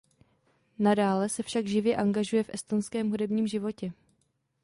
Nadále se však živě angažuje v estonském hudebním životě.